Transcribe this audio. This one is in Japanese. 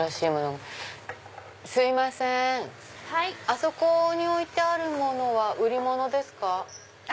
あそこに置いてあるものは売り物ですか？